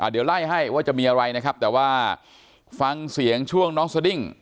เดี๋ยวไล่ให้ว่าจะมีอะไรนะครับแต่ว่าฟังเสียงช่วงน้องสดิ้ง